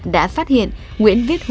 đã phát hiện nguyễn vích huy